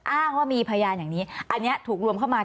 อ้างว่ามีพยานอย่างนี้อันนี้ถูกรวมเข้ามา